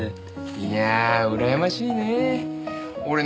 いやあうらやましいね。